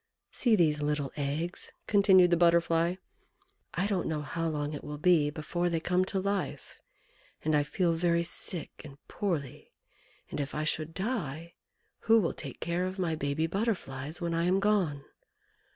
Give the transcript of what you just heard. "See these little eggs," continued the Butterfly; "I don't know how long it will be before they come to life, and I feel very sick and poorly, and if I should die, who will take care of my baby Butterflies when I am gone?